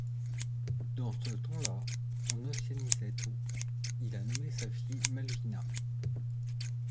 Dans ce temps-là, on ossianisait tout, il a nommé sa fille, Malvina.